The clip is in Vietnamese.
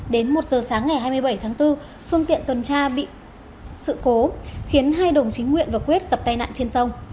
đến một h sáng ngày hai mươi bảy tháng bốn phương tiện tuần tra bị sự cố khiến hai đồng chí nguyện và quyết cập tai nạn trên sông